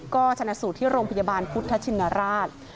ก็ไปในโรงพยาบาลพุทธชินราช